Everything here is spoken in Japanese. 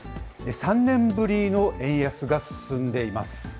３年ぶりの円安が進んでいます。